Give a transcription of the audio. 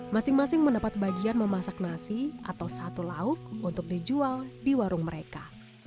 masing masing mendapat bagian memasak nasi atau satu lauk untuk dijual di warung mereka